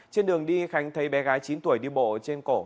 trên đường đi khánh thấy bé gái chín tuổi đi bộ trên cổ